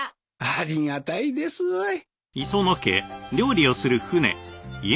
ありがたいですわい。